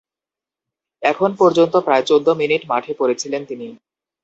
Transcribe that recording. এখন পর্যন্ত প্রায় চৌদ্দ মিনিট মাঠে পড়ে ছিলেন তিনি।